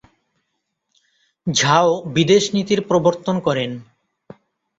ঝাও বিদেশ নীতির প্রবর্তন করেন।